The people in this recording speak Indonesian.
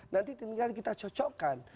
nanti tinggal kita cocokkan